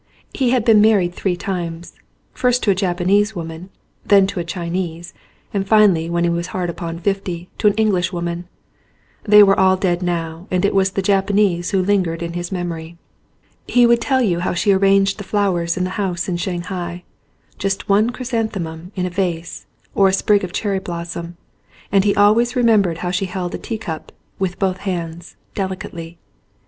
He had been married three times, first to a Japanese woman, then to a Chinese, and finally when he was hard upon fifty to an English woman. They were all dead now and it was the Japanese who lingered in his memory. He would tell you how she arranged the flowers in the house in Shanghai, just one chrysanthemum in a vase or a sprig of cherry blossom; and he always re membered how she held a tea cup, with both hands, delicately.